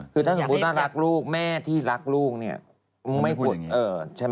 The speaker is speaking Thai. คือถ้าสมมุติว่ารักลูกแม่ที่รักลูกเนี่ยไม่ควรใช่ไหม